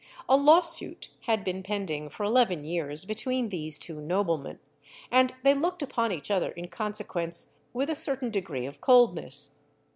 A lawsuit had been pending for eleven years between these two noblemen, and they looked upon each other in consequence with a certain degree of coldness.